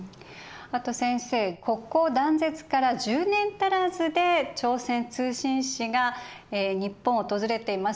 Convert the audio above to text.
あと先生国交断絶から１０年足らずで朝鮮通信使が日本を訪れていますよね。